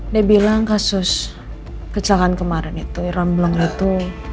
dia bilang kasus kecelakaan kemarin itu rambleng itu